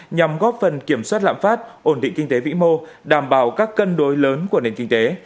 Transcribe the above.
nhằm góp phần kiểm soát lạm phát ổn định kinh tế vĩ mô đảm bảo các cân đối lớn của nền kinh tế